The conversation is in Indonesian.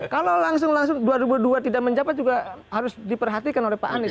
kalau langsung langsung dua ribu dua tidak menjabat juga harus diperhatikan oleh pak anies